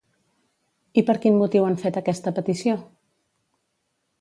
I per quin motiu han fet aquesta petició?